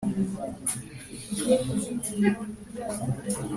Abantu mu bice y inyuma bya karisoro y icyo kinyabiziga cyangwa ya romoruki yacyo